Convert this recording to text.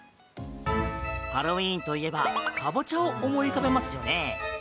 ハロウィーンといえばカボチャを思い浮かべますよね。